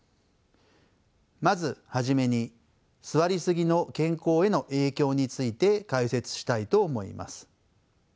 まず初めに座りすぎの健康への影響について解説したいと思います。